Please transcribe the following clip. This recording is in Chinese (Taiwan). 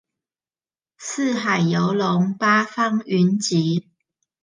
四海遊龍，八方雲集